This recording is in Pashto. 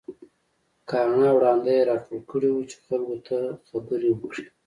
کاڼه او ړانده يې راټول کړي وو چې خلک ته خبرې وکړي.